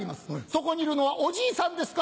そこにいるのはおじいさんですか？